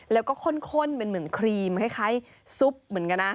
แล้วก็ข้นเป็นเหมือนครีมคล้ายซุปเหมือนกันนะ